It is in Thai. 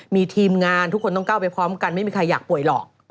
มีทีมงานทุกคนต้องก้าวไปพร้อมกันไม่มีใครอยากป่วยหรอก